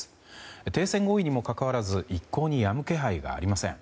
停戦合意にもかかわらず一向にやむ気配がありません。